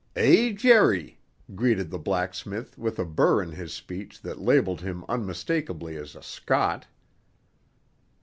"Hey, Jerry," greeted the blacksmith with a burr in his speech that labelled him unmistakably as a Scot.